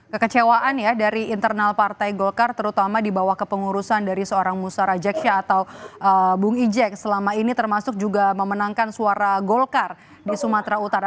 kekecewaan ya dari internal partai golkar terutama di bawah kepengurusan dari seorang musara jeksya atau bung ijek selama ini termasuk juga memenangkan suara golkar di sumatera utara